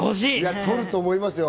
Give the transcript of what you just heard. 取ると思いますよ。